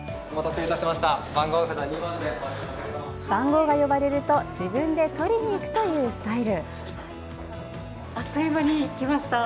番号が呼ばれると自分で取りに行くというスタイル。